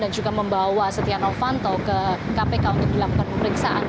dan juga membawa setia novanto ke kpk untuk dilakukan pemeriksaan